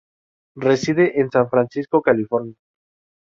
Reside en San Francisco, California.